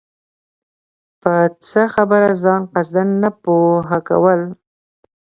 په څۀ خبره ځان قصداً نۀ پوهه كول